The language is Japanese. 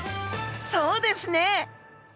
そうですね！